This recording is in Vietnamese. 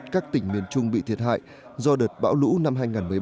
các tỉnh miền trung bị thiệt hại do đợt bão lũ năm hai nghìn một mươi ba